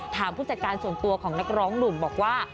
ผู้จัดการส่วนตัวของนักร้องหนุ่มบอกว่า